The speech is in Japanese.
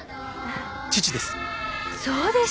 父です。